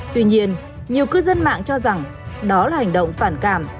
tuy nhiên nhiều cư dân mạng cho rằng đó là hành động phản cảm